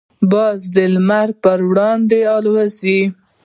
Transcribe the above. باز د لمر پر وړاندې الوزي.